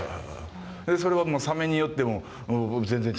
それはサメによっても全然違いますもんね。